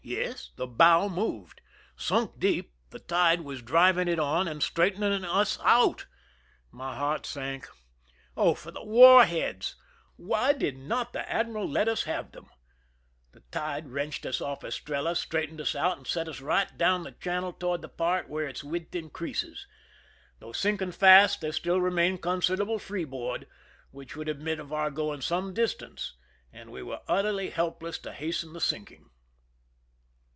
Yes, the bow moved. Sunk deep, the tide was driving it on and straightening us out. My heart sank. Oh, for the war heads ! Why did not the admiral let us have ; 108 1 THE RUN IN them ! The tide wrenched us off Estrella, straight ened us out, and set us right down the channel toward the part where its width increases. Though sinking fast, there still remained considerable free board, which would admit of our going some dis tance, and we were utterly helpless to hasten the sinking.